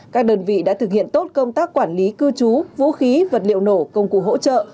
các đơn vị đã thực hiện tốt công tác quản lý cư trú vũ khí vật liệu nổ công cụ hỗ trợ